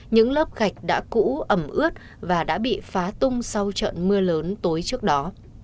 những lớp gạch đã cũ ẩm ướt và đã bị phá tung sau trận mưa lớn tối trước đó